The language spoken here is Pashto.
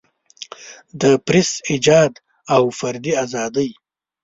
د پریس ایجاد او فردي ازادۍ.